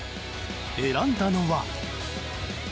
選んだのは。